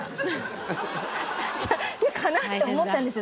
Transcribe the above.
かなと思ったんですよ。